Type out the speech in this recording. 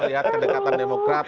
melihat kedekatan demokrat